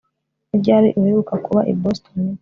Ni ryari uheruka kuba i Boston